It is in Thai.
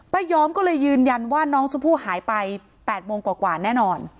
ยอมก็เลยยืนยันว่าน้องชมพู่หายไป๘โมงกว่าแน่นอน